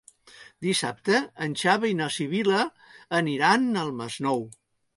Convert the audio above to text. Dissabte en Xavi i na Sibil·la aniran al Masnou.